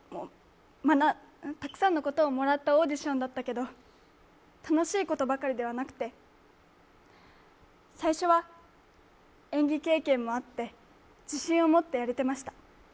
たくさんのことをもらったオーディションだったけど、楽しいことばかりではなくて、最初は演技経験もあって自信を持ってやれていました。